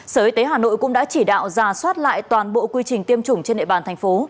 sở y tế hà nội cũng đã chỉ đạo giả soát lại toàn bộ quy trình tiêm chủng trên nệ bàn thành phố